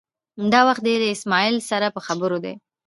دا وخت دی له اسمعیل سره په خبرو دی.